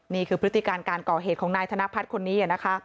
พฤติการการก่อเหตุของนายธนพัฒน์คนนี้นะคะ